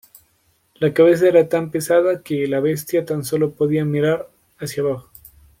La cabeza era tan pesada que la bestia tan solo podía mirar hacia abajo.